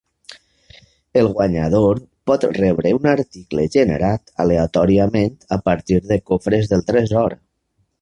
El guanyador pot rebre un article generat aleatòriament a partir de cofres del tresor.